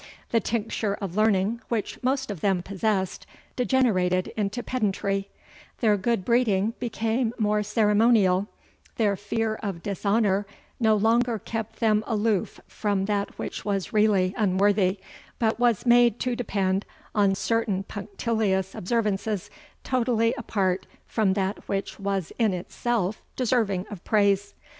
The tincture of learning, which most of them possessed, degenerated into pedantry; their good breeding became mere ceremonial; their fear of dishonour no longer kept them aloof from that which was really unworthy, but was made to depend on certain punctilious observances totally apart from that which was in itself deserving of praise.